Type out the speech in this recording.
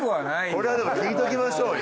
これはでも聞いときましょうよ。